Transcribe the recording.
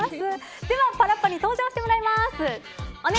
ではパラッパに登場してもらいます。